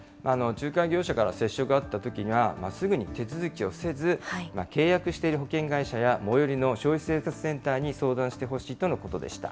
仲介業者から接触があったときは、すぐに手続きをせず、契約している保険会社や、最寄りの消費生活センターに相談してほしいとのことでした。